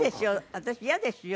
嫌ですよ